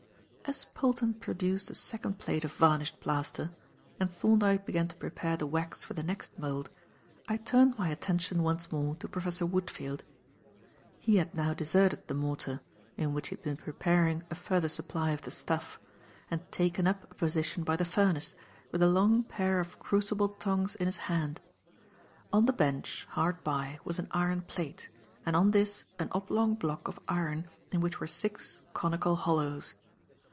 As Polton produced a second plate of varnished plaster and Thorndyke began to prepare the wax for the next mould, I turned my attention once more to Professor Woodfield. He had now deserted the mortar in which he had been preparing a further supply of "the stuff" and taken up a position by the furnace, with a long pair of crucible tongs in his hand. On the bench, hard by, was an iron plate, and on this an oblong block of iron in which were six conical hollows.